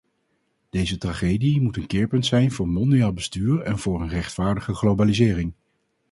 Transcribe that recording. Deze tragedie moet een keerpunt zijn voor mondiaal bestuur en voor een rechtvaardige globalisering.